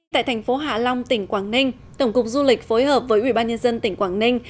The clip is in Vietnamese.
tại thành phố hạ long tỉnh quảng ninh tổng cục du lịch phối hợp với ubnd tỉnh quảng ninh